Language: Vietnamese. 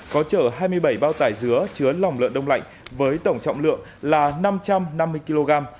có chở hai mươi bảy bao tải dứa chứa lòng lợn đông lạnh với tổng trọng lượng là năm trăm năm mươi kg